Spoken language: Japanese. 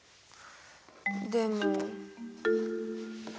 でも。